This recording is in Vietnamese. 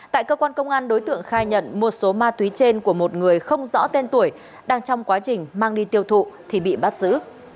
tại cơ quan công an đối tượng khai nhận một số ma túy trên của một người không rõ tên tuổi đang trong quá trình mang đi tiêu thụ thì bị bắt giữ